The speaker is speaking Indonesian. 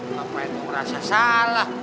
ngapain lo merasa salah